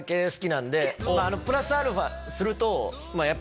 プラスアルファするとやっぱ。